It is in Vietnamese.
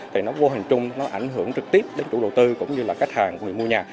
thì nó vô hình chung nó ảnh hưởng trực tiếp đến chủ đầu tư cũng như là khách hàng của người mua nhà